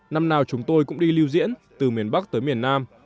năm nào chúng tôi cũng đi lưu diễn từ miền bắc tới miền nam